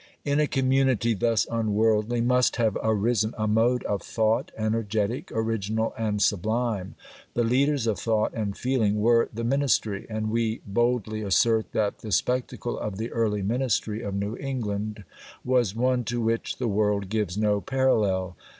In a community thus unworldly must have arisen a mode of thought, energetic, original, and sublime. The leaders of thought and feeling were the ministry, and we boldly assert that the spectacle of the early ministry of New England was one to which the world gives no parallel.